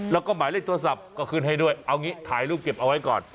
แล้วก็หมายเลขโทรศัพท์ก็ขึ้นให้ด้วยเอางี้ถ่ายรูปเก็บเอาไว้ก่อน